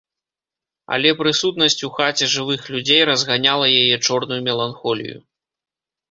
Але прысутнасць у хаце жывых людзей разганяла яе чорную меланхолію.